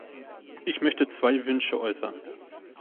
Ich möchte zwei Wünsche äußern.